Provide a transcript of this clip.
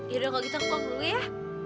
yaudah kok kita ke kubur dulu ya